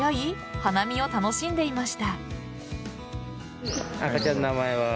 花見を楽しんでいました。